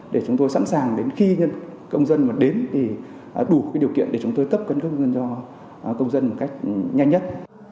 để chúng tôi sẵn sàng đến khi công dân đến đủ điều kiện để chúng tôi cấp căn cước công dân cho công dân một cách nhanh nhất